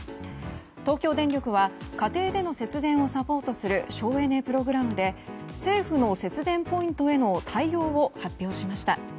東京電力は家庭での節電をサポートする省エネプログラムで政府の節電ポイントへの対応を発表しました。